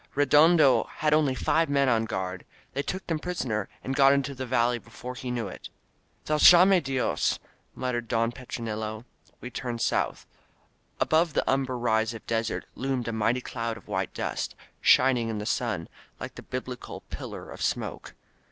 Redondo had only five men on guard ! They took them prisoner and got into the valley before he knew it !" Valgaine Diosr* muttered Don Petronilo. We turned south. Above the umber rise of desert loomed a mighty cloud of white dust, shining in the sun, like the biblical pillar of smoke.